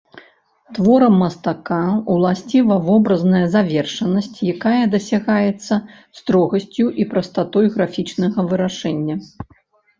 Творам мастака ўласціва вобразная завершанасць, якая дасягаецца строгасцю і прастатой графічнага вырашэння.